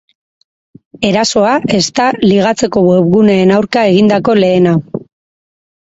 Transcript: Erasoa ez da ligatzeko webguneen aurka egindako lehena.